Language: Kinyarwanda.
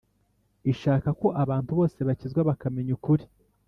ishaka ko abantu bose bakizwa bakamenya ukuri